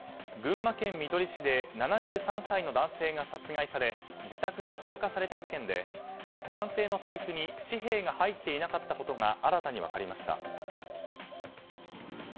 群馬県みどり市で７３歳の男性が殺害され自宅が放火された事件で男性の財布に紙幣が入っていなかったことが新たに分かりました。